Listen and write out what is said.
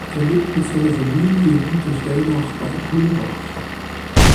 Er lebt mit seiner Familie in Untersteinach bei Kulmbach.